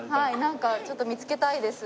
なんかちょっと見つけたいです。